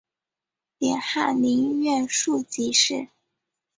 点翰林院庶吉士。